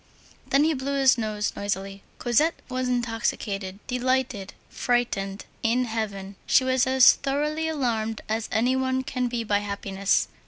Then he blew his nose noisily. Cosette was intoxicated, delighted, frightened, in heaven. She was as thoroughly alarmed as any one can be by happiness.